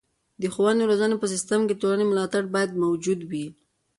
د ښوونې او روزنې په سیستم کې د ټولنې ملاتړ باید موجود وي.